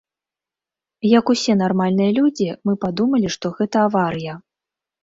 Як усе нармальныя людзі, мы падумалі, што гэта аварыя.